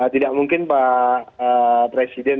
tidak mungkin pak presiden